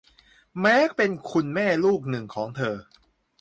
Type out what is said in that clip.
แม้เป็นคุณแม่ลูกหนึ่งของเธอ